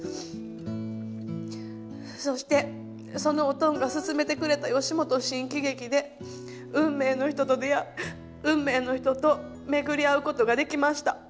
そしてそのおとんが勧めてくれた吉本新喜劇で運命の人と出会運命の人と巡り合うことができました。